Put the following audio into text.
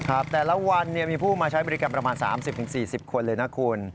แต่ละวันมีผู้มาใช้บริการประมาณ๓๐๔๐คนเลยนะคุณ